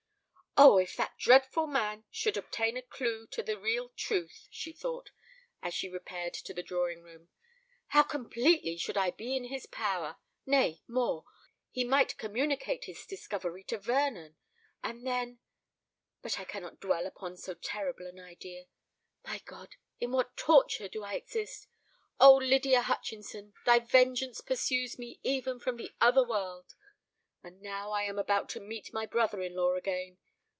"Oh! if that dreadful man should obtain a clue to the real truth," she thought, as she repaired to the drawing room, "how completely should I be in his power! Nay, more—he might communicate his discovery to Vernon; and then——but I cannot dwell upon so terrible an idea! My God! in what torture do I exist! O Lydia Hutchinson, thy vengeance pursues me even from the other world! And now I am about to meet my brother in law again!